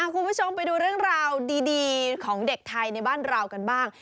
คุณผู้ชมไปดูเรื่องราวดีของเด็กไทยในบ้านเรากันบ้าง